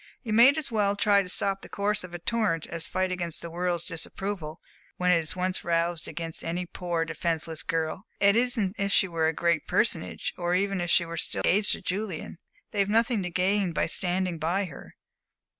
"You might as well try to stop the course of a torrent as fight against the world's disapproval, when it is once roused against any poor, defenceless girl. And it isn't as if she were a great personage, or even as if she were still engaged to Julian! They've nothing to gain by standing by her.